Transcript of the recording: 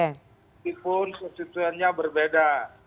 meskipun konstituennya berbeda